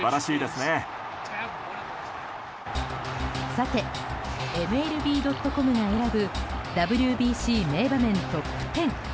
さて、ＭＬＢ．ｃｏｍが選ぶＷＢＣ名場面トップ１０。